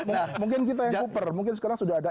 nah mungkin kita yang kooper mungkin sekarang sudah ada